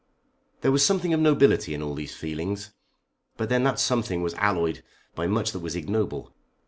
There was something of nobility in all these feelings; but then that something was alloyed by much that was ignoble.